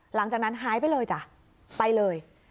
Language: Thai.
หลังจากนั้นหายไปเลยจ้ะไปเลย